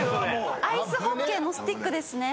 アイスホッケーのスティックですね。